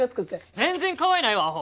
全然かわいないわアホ！